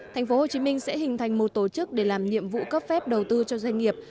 tp hcm sẽ hình thành một tổ chức để làm nhiệm vụ cấp phép đầu tư cho doanh nghiệp